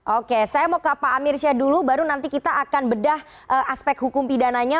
oke saya mau ke pak amir syah dulu baru nanti kita akan bedah aspek hukum pidananya